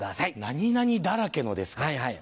「何々だらけの」ですか。